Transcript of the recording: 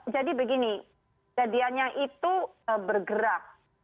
jadi begini kejadiannya itu bergerak